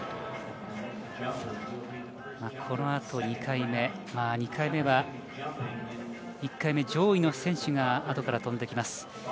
このあと２回目は１回目上位の選手があとから飛んできます。